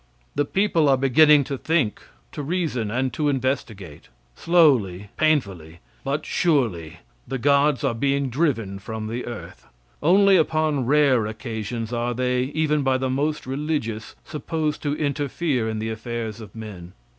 The people are beginning to think, to reason and to investigate. Slowly, painfully, but surely, the gods are being driven from the earth. Only upon rare occasions are they, even by the most religious, supposed to interfere in the affairs of men.